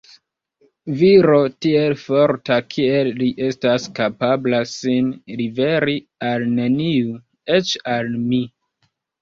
Viro tiel forta kiel li estas kapabla sin liveri al neniu, eĉ al mi.